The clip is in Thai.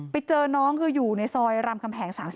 ไปเจอน้องคืออยู่ในซอยรามคำแหง๓๔